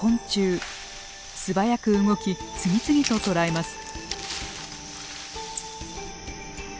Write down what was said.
素早く動き次々と捕らえます。